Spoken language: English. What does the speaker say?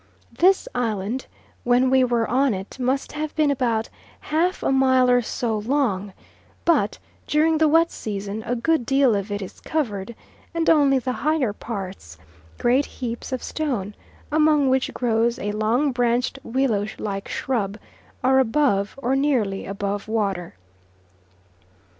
This island, when we were on it, must have been about half a mile or so long, but during the long wet season a good deal of it is covered, and only the higher parts great heaps of stone, among which grows a long branched willow like shrub are above or nearly above water.